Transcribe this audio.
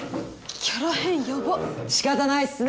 キャラ変やばっしかたないっすね